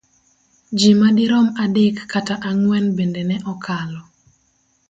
Ji madirom adek kata ang'wen bende ne okalo.